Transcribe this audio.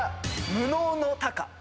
『無能の鷹』